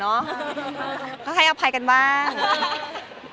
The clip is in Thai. เนื้อหาดีกว่าน่ะเนื้อหาดีกว่าน่ะ